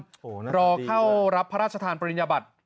โหน่าจะดีกว่ารอเข้ารับพระราชธานปริญญาบัติ